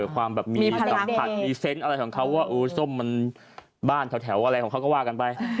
ความแบบมีสัมผัสมีเซนต์อะไรของเขาว่าส้มมันบ้านแถวอะไรของเขาก็ว่ากันไป